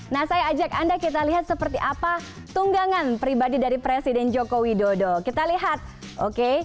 nah saya ajak anda kita lihat seperti apa tunggangan pribadi dari presiden joko widodo kita lihat oke